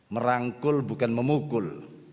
merangkul bukan memukul